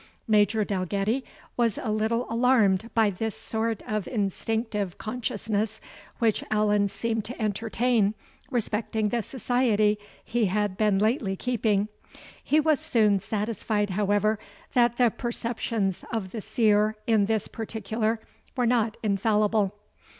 Major Dalgetty was a little alarmed by this sort of instinctive consciousness which Allan seemed to entertain respecting the society he had been lately keeping; he was soon satisfied, however, that the perceptions of the seer in this particular were not infallible.